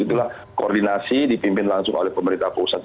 itulah koordinasi dipimpin langsung oleh pemerintah pusat